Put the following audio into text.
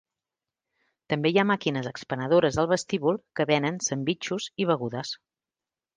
També hi ha màquines expenedores al vestíbul que venen sandvitxos i begudes.